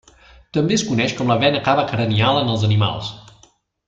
També es coneix com la vena cava cranial en els animals.